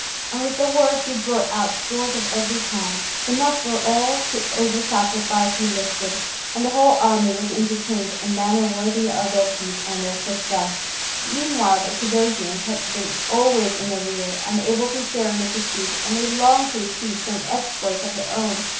And with the word he brought out stores of every kind, enough for all to over sacrifice who listed; and the whole army was entertained in a manner worthy of their feat and their success. Meanwhile the Cadousians had been always in the rear, unable to share in the pursuit, and they longed to achieve some exploit of their own.